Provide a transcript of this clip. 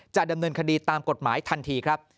จะดำเนินคดีตามกฎหมายทันทีครับ